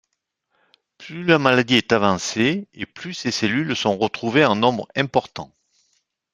Plus la maladie est avancée et plus ces cellules sont retrouvées en nombre important.